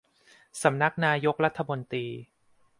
สำนักนายกรัฐมนตรี